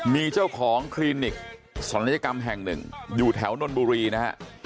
มีเจ้าของคลินิกศัลยกรรมแห่งหนึ่งอยู่แถวนนบุรีนะฮะ